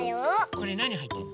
これなにはいってんの？